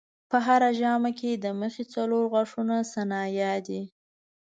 په هره ژامه کې د مخې څلور غاښه ثنایا دي.